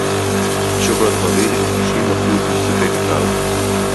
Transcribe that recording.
שוקולד מריר עם תשעים אחוז מוצקי קקאו